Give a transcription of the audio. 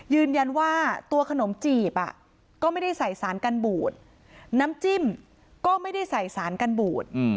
ยืนยันว่าตัวขนมจีบก็ไม่ได้ใส่สารกันบูดน้ำจิ้มก็ไม่ได้ใส่สารกันบูด